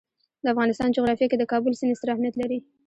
د افغانستان جغرافیه کې د کابل سیند ستر اهمیت لري.